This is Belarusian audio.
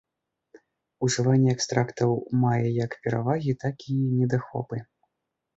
Ужыванне экстрактаў мае як перавагі, так і недахопы.